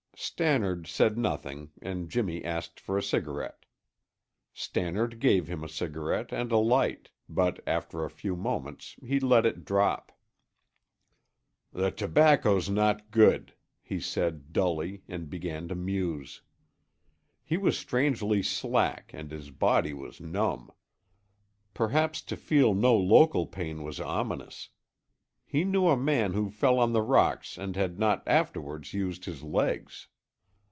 Stannard said nothing and Jimmy asked for a cigarette. Stannard gave him a cigarette and a light, but after a few moments he let it drop. "The tobacco's not good," he said, dully, and began to muse. He was strangely slack and his body was numb. Perhaps to feel no local pain was ominous; he knew a man who fell on the rocks and had not afterwards used his legs.